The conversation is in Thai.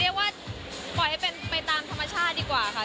เรียกว่าปล่อยให้เป็นไปตามธรรมชาติดีกว่าค่ะ